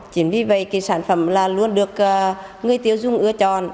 chính vì vậy cái sản phẩm là luôn được người tiêu dùng ưa chọn